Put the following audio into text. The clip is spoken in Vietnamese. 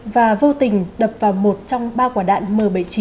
và vô tình đập vào một trong ba quả đạn m bảy mươi chín